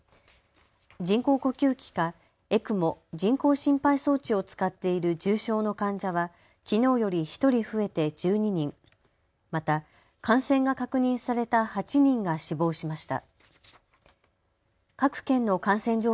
人工呼吸器かＥＣＭＯ・人工心肺装置を使っている重症の患者はきのうより１人増えて１２人、また感染が確認された８人が死亡しました。